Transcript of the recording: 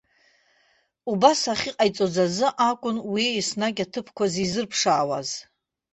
Убас ахьыҟаиҵоз азы акәын уи еснагь аҭыԥқәа зизырԥшаауаз.